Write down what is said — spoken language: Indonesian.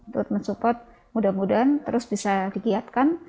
turut mensupport mudah mudahan terus bisa dikiatkan